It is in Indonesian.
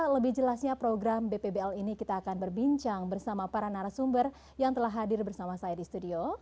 lebih jelasnya program bpbl ini kita akan berbincang bersama para narasumber yang telah hadir bersama saya di studio